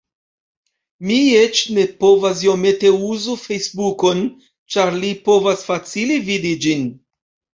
Mi eĉ ne povas iomete uzu Fejsbukon ĉar li povas facile vidi ĝin.